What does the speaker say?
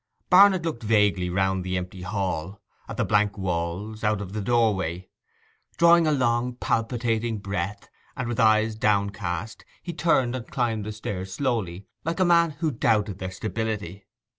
Barnet looked vaguely round the empty hall, at the blank walls, out of the doorway. Drawing a long palpitating breath, and with eyes downcast, he turned and climbed the stairs slowly, like a man who doubted their stability.